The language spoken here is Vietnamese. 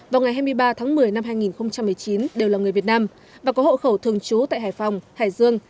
vào ngày hai mươi ba tháng một mươi năm hai nghìn một mươi chín đều là người việt nam và có hộ khẩu thường trú tại hải phòng hải dương